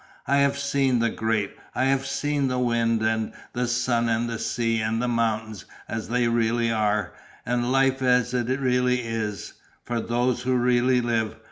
I have seen the great, I have seen the wind and the sun and the sea and the mountains as they really are, and life as it really is, for those who really live.